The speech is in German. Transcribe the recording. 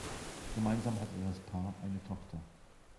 Gemeinsam hatte das Paar eine Tochter.